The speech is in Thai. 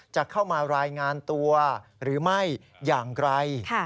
จะเข้ามารายงานตัวหรือไม่อย่างไร